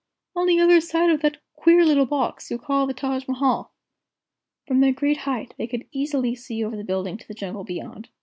On the other side of that queer little box you call the Taj Mahal." From their great height they could easily see over the building to the jungle beyond.